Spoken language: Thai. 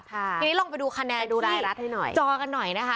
ทีนี้ลองไปดูคะแนนที่จอกันหน่อยนะคะ